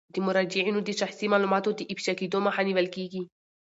د مراجعینو د شخصي معلوماتو د افشا کیدو مخه نیول کیږي.